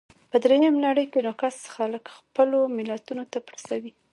په درېیمه نړۍ کې ناکس خلګ خپلو ملتو ته پړسوي.